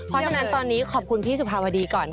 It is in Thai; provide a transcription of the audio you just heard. เพราะฉะนั้นตอนนี้ขอบคุณพี่สุภาวดีก่อน